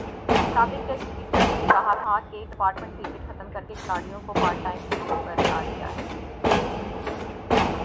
سابق test cricketer نے بھی کہا تھا کہ ڈپارٹمنٹ کرکٹ ختم کر کے کھلاڑیوں کو پارٹ ٹائم کرکٹر بنادیا ہے۔